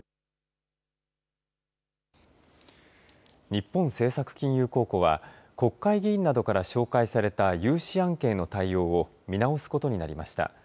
日本政策金融公庫は国会議員などから紹介された融資案件の対応を見直すことになりました。